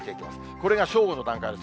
これが正午の段階です。